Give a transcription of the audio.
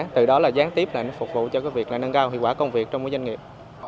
từ đó là gián tiếp lại phục vụ cho việc nâng cao hữu quả công việc trong doanh nghiệp